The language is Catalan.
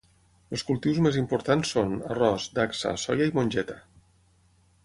Els cultius més importants són: arròs, dacsa, soia i mongeta.